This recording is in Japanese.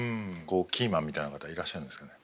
キーマンみたいな方いらっしゃるんですかね？